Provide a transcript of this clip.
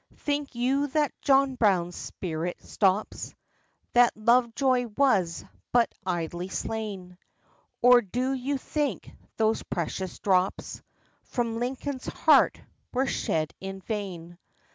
Think you that John Brown's spirit stops? That Lovejoy was but idly slain? Or do you think those precious drops From Lincoln's heart were shed in vain?